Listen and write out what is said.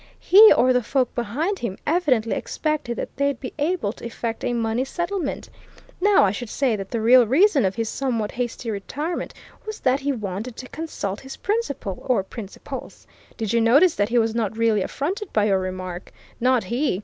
He or the folk behind him evidently expected that they'd be able to effect a money settlement. Now, I should say that the real reason of his somewhat hasty retirement was that he wanted to consult his principal or principals. Did you notice that he was not really affronted by your remark? Not he!